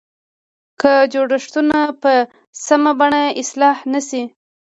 که جوړښتونه په سمه بڼه اصلاح نه شي.